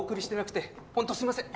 ホントすいません。